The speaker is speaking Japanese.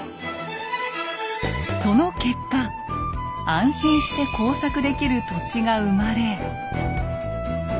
その結果安心して耕作できる土地が生まれ。